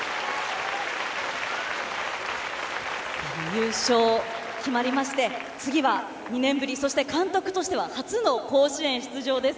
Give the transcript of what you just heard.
優勝決まりまして次は２年ぶり監督としては初の甲子園出場です。